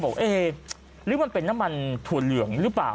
เอ๊ะหรือมันเป็นน้ำมันถั่วเหลืองหรือเปล่า